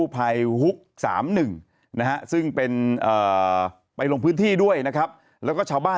ไปเหลี่ยผับอยู่